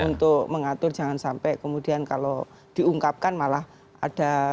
untuk mengatur jangan sampai kemudian kalau diungkapkan malah ada